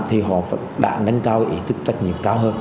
thì họ đã nâng cao ý thức trách nhiệm cao hơn